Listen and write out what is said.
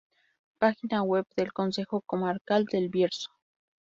Página Web del Consejo Comarcal del Bierzo